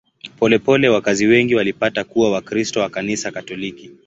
Polepole wakazi wengi walipata kuwa Wakristo wa Kanisa Katoliki.